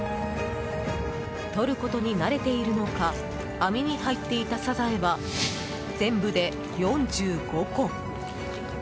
とることに慣れているのか網に入っていたサザエは全部で４５個。